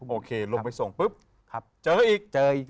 โอเคลงไปส่งปุ๊บเจออีก